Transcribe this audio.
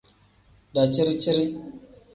Daciri-ciri.